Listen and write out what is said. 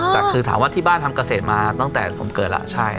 แต่คือถามว่าที่บ้านทำเกษตรมาตั้งแต่ผมเกิดแล้วใช่